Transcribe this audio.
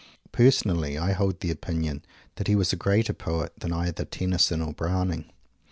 Personally I hold the opinion that he was a greater poet than either Tennyson or Browning.